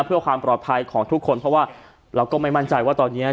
เพื่อความปลอดภัยของทุกคนเพราะว่าเราก็ไม่มั่นใจว่าตอนนี้